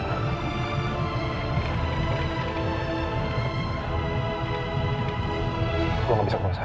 gue gak bisa ke rumah sakit